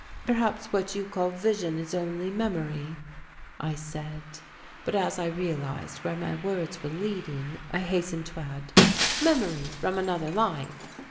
"Perhaps what you call vision is only memory," I said but, as I realized where my words were leading, I hastened to add "Memory, from another life.